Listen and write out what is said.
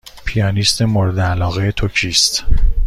پیانیست مورد علاقه تو کیست؟